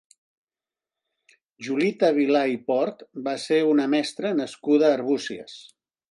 Julita Vilà i Port va ser una mestra nascuda a Arbúcies.